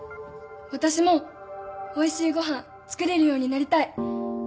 私もおいしいご飯作れるようになりたい